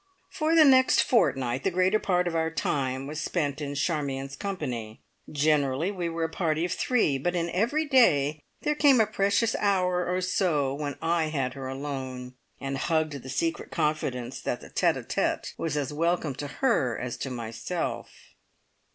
For the next fortnight the greater part of our time was spent in Charmion's company; generally we were a party of three, but in every day there came a precious hour or so when I had her alone, and hugged the secret confidence that the tete a tete was as welcome to her as to myself.